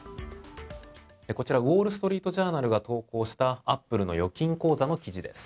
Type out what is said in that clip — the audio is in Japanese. こちらウォール・ストリート・ジャーナルが投稿したアップルの預金口座の記事です。